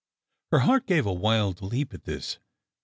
" Her heart gave a wild leap at this.